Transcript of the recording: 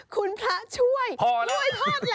คุณพระช่วยกล้วยทอดแล้ว